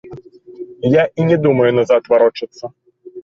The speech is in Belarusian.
Я і не думаю назад варочацца.